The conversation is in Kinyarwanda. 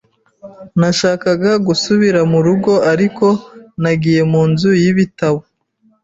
Nashakaga gusubira mu rugo, ariko nagiye mu nzu y'ibitabo.